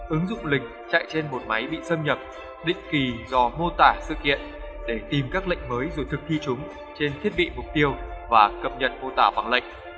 ứng dụng lịch chạy trên một máy bị xâm nhập định kỳ do mô tả sự kiện để tìm các lệnh mới rồi thực thi chúng trên thiết bị mục tiêu và cập nhật mô tả bằng lệnh